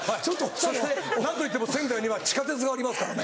そして何といっても仙台には地下鉄がありますからね。